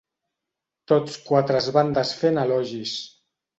Tots quatre es van desfer en elogis.